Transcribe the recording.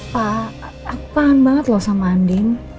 pak aku paham banget loh sama andin